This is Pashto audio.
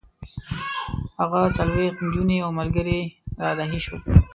هغه څلوېښت نجونې او ملګري را رهي شول.